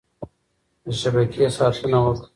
د شبکې ساتنه وکړه.